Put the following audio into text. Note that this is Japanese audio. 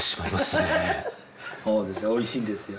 そうです美味しいんですよ。